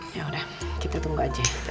yaudah kita tunggu aja